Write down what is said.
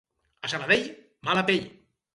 A Sabadell, mala pell.